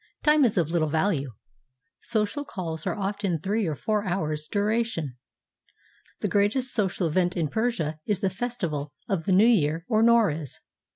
Time is of Httle value. Social calls are often of three or four hours' duration. The greatest social event in Persia is the festival of the New Year or Noruz.